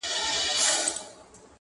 نه مخ گوري د نړۍ د پاچاهانو!.